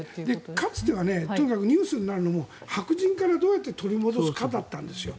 かつてはとにかくニュースになるのは白人から、どうやって取り戻すかだったんですよ。